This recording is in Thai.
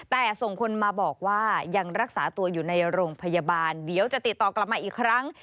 แต่ส่งคนมาบอกว่ายังรักษาตัวอยู่ในโรงพยาบาลเดี๋ยวจะติดต่อกลับมาอีกครั้ง